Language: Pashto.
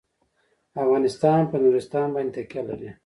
افغانستان په نورستان باندې تکیه لري.